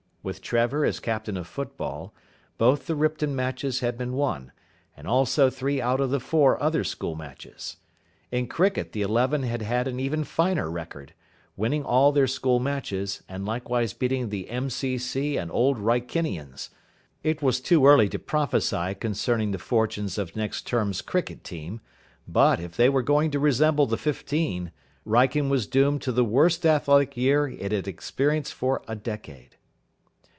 With Trevor as captain of football, both the Ripton matches had been won, and also three out of the four other school matches. In cricket the eleven had had an even finer record, winning all their school matches, and likewise beating the M.C.C. and Old Wrykinians. It was too early to prophesy concerning the fortunes of next term's cricket team, but, if they were going to resemble the fifteen, Wrykyn was doomed to the worst athletic year it had experienced for a decade.